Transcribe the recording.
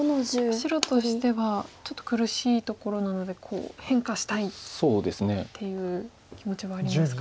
白としてはちょっと苦しいところなので変化したいっていう気持ちもありますか。